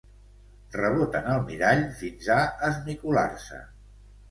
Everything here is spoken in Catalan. Reboten al mirall, fins a esmicolar-se.